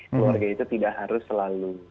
keluarga itu tidak harus selalu